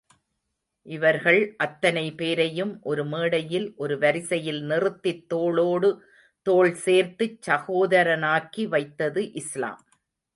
இவர்கள் அத்தனை பேரையும் ஒரு மேடையில், ஒரு வரிசையில் நிறுத்தித் தோளோடு தோள் சேர்த்துச் சகோதரனாக்கி வைத்தது இஸ்லாம்.